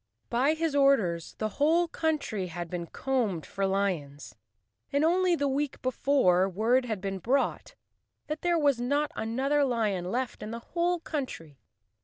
By his orders the whole country had been combed for lions and only the week before word had been brought that there was not another lion left in the whole country.